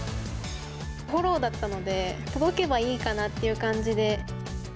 フォローだったので、届けばいいかなっていう感じで。